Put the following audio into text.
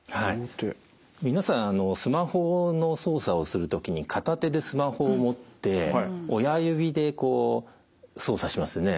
皆さんスマホの操作をする時に片手でスマホを持って親指でこう操作しますよね。